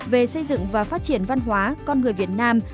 về xây dựng và phát triển văn hóa con người việt nam